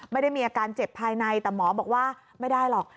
ไม่ได้มีอาการเจ็บภายในแต่หมอบอกว่าไม่ได้หรอก